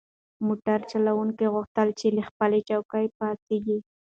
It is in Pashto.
موټر چلونکي غوښتل چې له خپلې چوکۍ پاڅیږي.